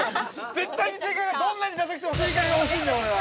◆絶対に正解がどんなにださくても正解が欲しいんだ、俺は！